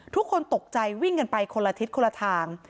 ทุกคนตกใจวิ่งกันไปคนละทิศคนละทาง